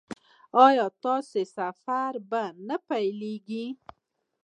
ایا ستاسو سفر به نه پیلیږي؟